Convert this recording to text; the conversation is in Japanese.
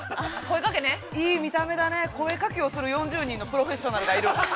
いい見た目だね、声かけをする４０人のプロフェッショナルがいる。